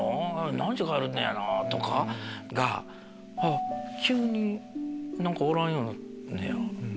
何時に帰るんやろな？とかが急におらんようになんねや。